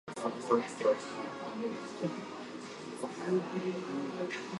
Sir Henry was father of Thomas Byam Martin.